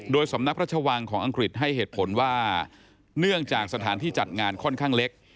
โดยสำนักพระชวังของอังกฤษให้เหตุผลว่าเนื่องจากสถานที่จัดงานค่อนข้างเล็ก